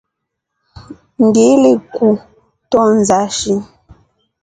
Ngilikutoonza shi.